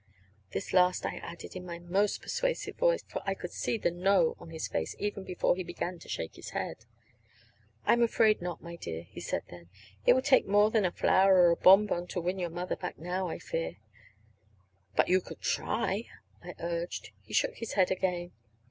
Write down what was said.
This last I added in my most persuasive voice, for I could see the "no" on his face even before he began to shake his head. "I'm afraid not, my dear," he said then. "It would take more than a flower or a bonbon to to win your mother back now, I fear." "But you could try," I urged. He shook his head again.